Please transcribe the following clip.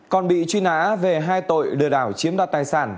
còn bị truy nã về hai tội lừa đảo chiếm đoạt tài sản